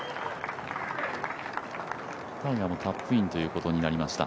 タイガーもタップインということになりました。